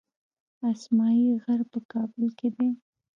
اسمايي غر په کابل کې دی